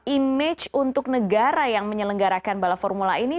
image untuk negara yang menyelenggarakan balap formula ini